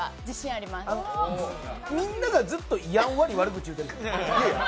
あのみんながずっとやんわり悪口言ってるのよ。